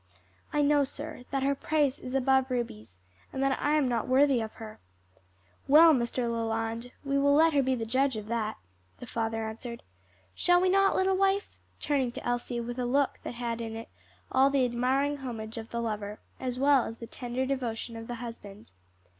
"I know, sir, that her price is above rubies, and that I am not worthy of her." "Well, Mr. Leland, we will let her be the judge of that," the father answered. "Shall we not, little wife?" turning to Elsie with a look that had in it all the admiring homage of the lover, as well as the tender devotion of the husband.